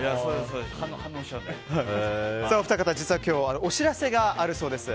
お二方、実は今日お知らせがあるそうです。